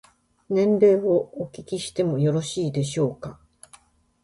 年齢をお聞きしてもよろしいでしょうか。